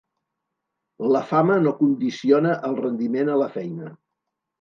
La fama no condiciona el rendiment a la feina.